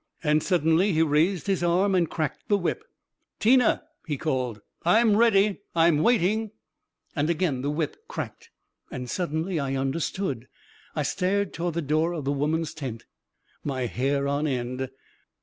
And suddenly he raised his arm and cracked the whip. "Tina!" he called. "I'm ready! I'm wait ing!" 384 A KING IN BABYLON And again the whip cracked. And suddenly I understood. I stared toward the door of the women's tent, my hair on end